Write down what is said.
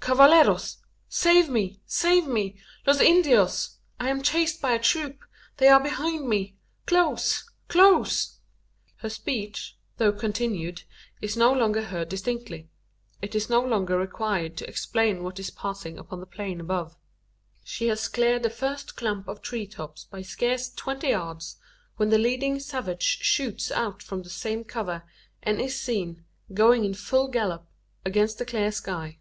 Cavalleros! save me! save me! Los Indios! I am chased by a troop. They are behind me close close " Her speech, though continued, is no longer heard distinctly. It is no longer required to explain what is passing upon the plain above. She has cleared the first clump of tree tops by scarce twenty yards, when the leading savage shoots out from the same cover, and is seen, going in full gallop, against the clear sky.